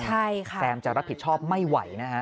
แซมจะรับผิดชอบไม่ไหวนะฮะ